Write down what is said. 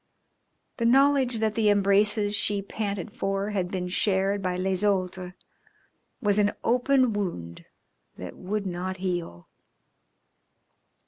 The knowledge that the embraces she panted for had been shared by les autres was an open wound that would not heal.